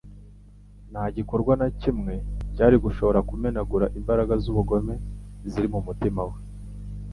Nta gikorwa na kimwe cyari gushobora kumenagura imbaraga z'ubugome ziri mu mutima we.